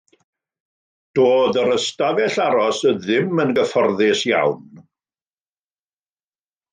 Doedd yr ystafell aros ddim yn gyfforddus iawn.